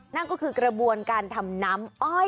นั่นก็คือกระบวนการทำน้ำอ้อย